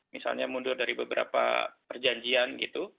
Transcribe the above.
misalnya mundur dari beberapa perjanjian gitu